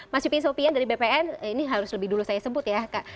mas uki sopian dari bpn ini harus lebih dulu saya sebut ya